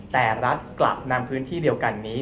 แต่รัฐกลับนำพื้นที่เดียวกันนี้